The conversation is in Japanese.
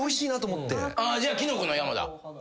じゃあきのこの山だ。